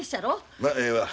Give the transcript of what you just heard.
まええわ。